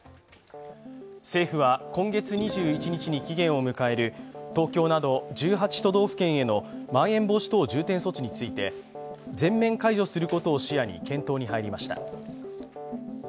政府は今月２１日に期限を迎える東京など１８都道府県へのまん延防止等重点措置について全面解除することを視野に検討に入りました。